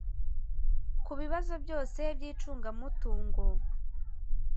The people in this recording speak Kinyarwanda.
ku bibazo byose by icungamutungo